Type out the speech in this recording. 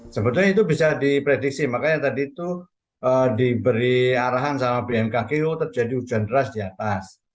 sebetulnya itu bisa diprediksi makanya tadi itu diberi arahan sama bmkg terjadi hujan deras di atas